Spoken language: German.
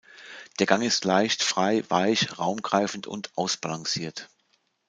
Der Gang ist leicht, frei, weich, raumgreifend und ausbalanciert.